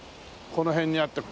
この辺にあって。